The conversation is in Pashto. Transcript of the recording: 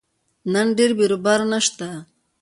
نن ډېر بیروبار نشته